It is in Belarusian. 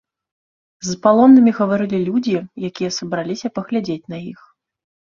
З палоннымі гаварылі людзі, якія сабраліся паглядзець на іх.